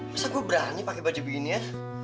masa gue berani pakai baju begini ya